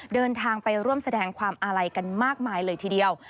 เดินทางไปร่วมแสดงความอาลัยกันมากมายเลยทีเดียว